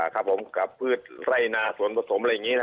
ครับผมกระพื้นไร่หนาสวนผสมไหนนะฮะ